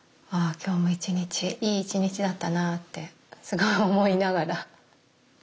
今日も一日いい一日だったなってすごい思いながら。